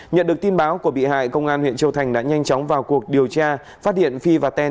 nhận được tin báo của bị hại công an huyện châu thành đã nhanh chóng vào cuộc điều tra phát hiện phi và teh